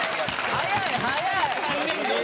早い早い！